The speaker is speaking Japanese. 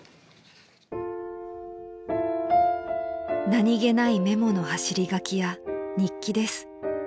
［何げないメモの走り書きや日記です］